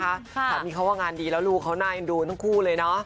สามีเขาว่างานดีแล้วลูกเขาน่าเอ็นดูทั้งคู่เลยเนอะ